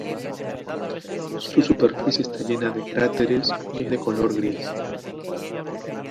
Su superficie está llena de cráteres y es de color gris.